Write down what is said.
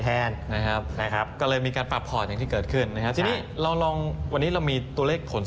เทคโรยีใหม่แล้วก็พันธ์ใหม่แทน